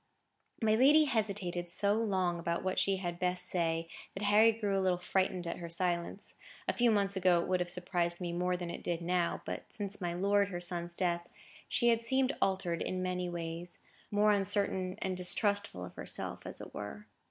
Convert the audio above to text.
My lady hesitated so long about what she had best say, that Harry grew a little frightened at her silence. A few months ago it would have surprised me more than it did now; but since my lord her son's death, she had seemed altered in many ways,—more uncertain and distrustful of herself, as it were.